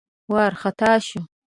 وار خطا شوه.